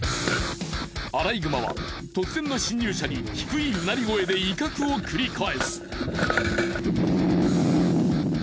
アライグマは突然の侵入者に低いうなり声で威嚇を繰り返す。